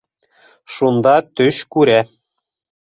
Шунда төш күрә.